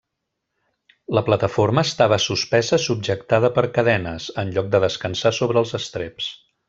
La plataforma estava suspesa subjectada per cadenes, en lloc de descansar sobre els estreps.